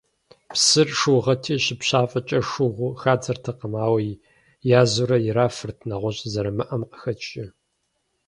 Псыр шыугъэти, щыпщафӏэкӏэ шыгъу хадзэртэкъым, ауэ язурэ ирафырт, нэгъуэщӏ зэрамыӏэм къыхэкӏкӏэ.